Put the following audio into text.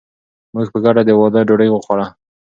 موږ په ګډه د واده ډوډۍ وخوړه.